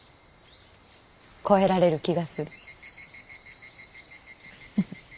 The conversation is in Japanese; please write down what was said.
超えられる気がする。